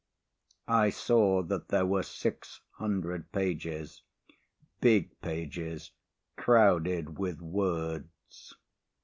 I saw that there were 600 pages, big pages crowded with words.